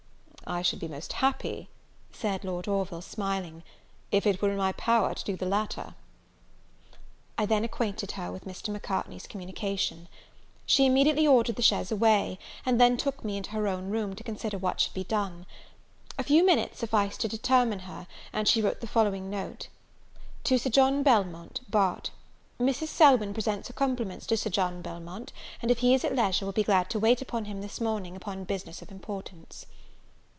"I should be most happy," said Lord Orville, smiling, "if it were in my power to do the latter." I then acquainted her with Mr. Macartney's communication. She immediately ordered the chaise away: and then took me into her own room, to consider what should be done. A few minutes sufficed to determine her; and she wrote the following note. "To Sir John Belmont, Bart." "MRS. SELWYN presents her compliments to Sir John Belmont; and, if he is at leisure, will be glad to wait on him this morning, upon business of importance."